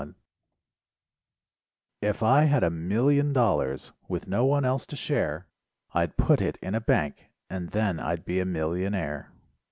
IF If I had a million dollars, With no one else to share, I'd put it in a bank and then I'd be a millionaire.